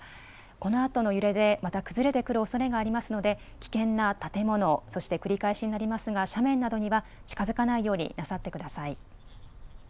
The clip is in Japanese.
このあとの揺れでまた崩れてくるおそれがありますので危険な建物、そして繰り返しになりますが斜面などには近づかないようになさってください。